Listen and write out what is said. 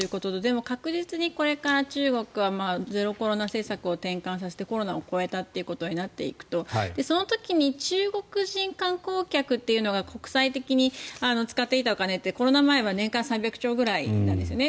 確実にこれから中国はゼロコロナ政策を転換させてコロナを越えたということになっていくとその時に中国人観光客っていうのが国際的に使っていたお金ってコロナ前は年間３００兆ぐらいなんですよね。